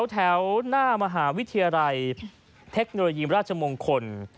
แถวหน้ามหาวิทยาลัยเทคโนโลยีราชมงคล